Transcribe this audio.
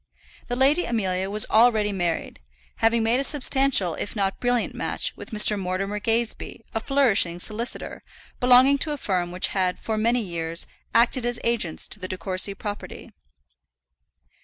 The Lady Amelia was already married, having made a substantial if not a brilliant match with Mr. Mortimer Gazebee, a flourishing solicitor, belonging to a firm which had for many years acted as agents to the De Courcy property.